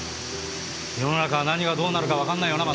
世の中何がどうなるかわかんないよな